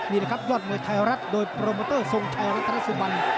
นี่นะครับยอดมวยไทยรัฐโดยโปรโมเตอร์ทรงชัยรัฐนสุบัน